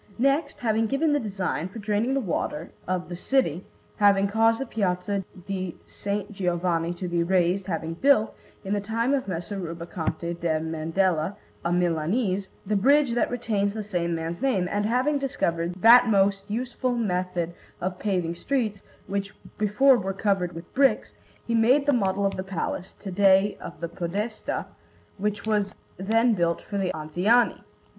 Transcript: Next, having given the design for draining the waters of the city, having caused the Piazza di S. Giovanni to be raised, having built, in the time of Messer Rubaconte da Mandella, a Milanese, the bridge that retains the same man's name, and having discovered that most useful method of paving streets, which before were covered with bricks, he made the model of the Palace, to day of the Podestà, which was then built for the Anziani.